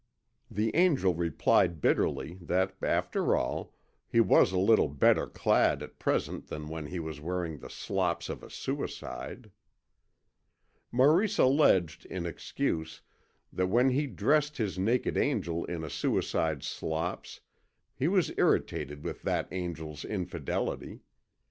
The Angel replied bitterly that, after all, he was a little better clad at present than when he was wearing the slops of a suicide. Maurice alleged in excuse that when he dressed his naked angel in a suicide's slops, he was irritated with that angel's infidelity.